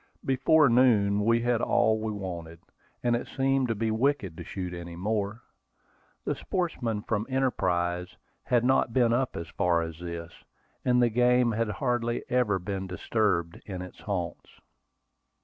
Before noon we had all we wanted, and it seemed to be wicked to shoot any more. The sportsmen from Enterprise had not been up as far as this, and the game had hardly ever been disturbed in its haunts.